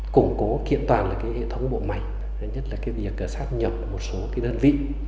củng cố kiện toàn là hệ thống bộ mạnh nhất là việc sát nhập một số đơn vị